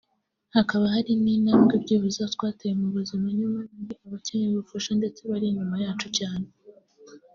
hakaba hari n’intambwe byibuze twateye mu buzima nyamara hari abakeneye ubufasha ndetse bari inyuma yacu cyane